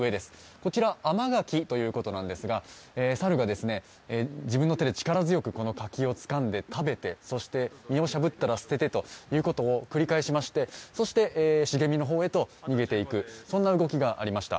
こちら甘柿ということなんですが、猿が自分の手で力強く、この柿をつかんで食べてそして実をしゃぶったら捨ててということを繰り返しまして、茂みの方へと逃げていく動きがありました。